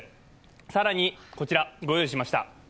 更に、こちら、ご用意しました。